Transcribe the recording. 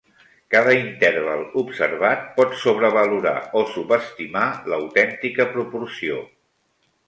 Cada interval observat pot sobrevalorar o subestimar l'autèntica proporció.